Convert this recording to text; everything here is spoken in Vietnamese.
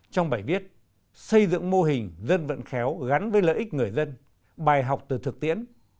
trong bài viết xây dựng mô hình dân vận khéo gắn với lợi ích người dân bài học từ thực tiễn